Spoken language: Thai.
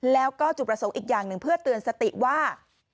แล้วก็จุดประสงค์อีกอย่างหนึ่งเพื่อเตือนสติว่า